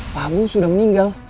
pak abul sudah meninggal